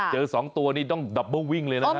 เจอสองตัวนี้ต้องดับเบิ้ลวิ่งเลยนะฮะ